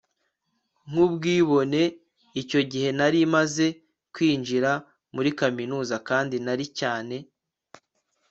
nk'ubwibone. icyo gihe nari maze kwinjira muri kaminuza kandi nari cyane